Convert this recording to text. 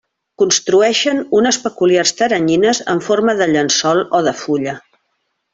Construeixen unes peculiars teranyines en forma de llençol o de fulla.